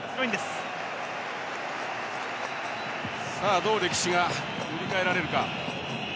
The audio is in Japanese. どう歴史が塗り替えられるか。